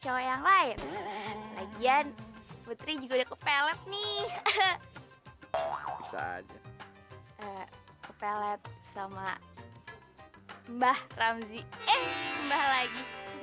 cowok yang lain lagian putri juga ke pelet nih ke pelet sama mbah ramzi eh mbah lagi